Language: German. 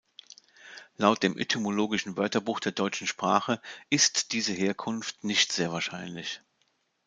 Laut dem Etymologischen Wörterbuch der deutschen Sprache ist diese Herkunft nicht sehr wahrscheinlich.